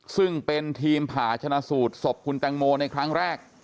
ซึ่งเป็นทีมผ่าชนะสูตรศพคุณแตงโมในครั้งแรก